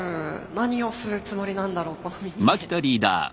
何をするつもりなんだろうこの耳で。